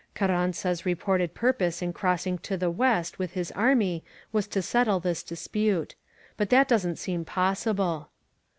Car ranza's reported purpose in crossing to the West with his army was to settle this dispute. But that doesn't seem possible.